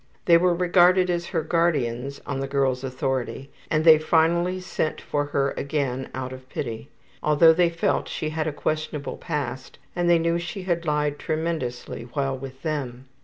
They were regarded as her guardians (on the girl's authority) and they finally sent for her again out of pity, although they felt she had a questionable past, and they knew she had lied tremendously while with them.